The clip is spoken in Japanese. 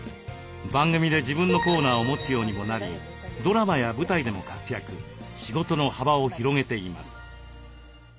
番組で自分のコーナーを持つようにもなりドラマや舞台でも活躍仕事の幅を広げています。